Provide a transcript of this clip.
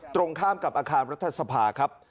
ตรงข้ามกับอาคารรัฐสภาครับ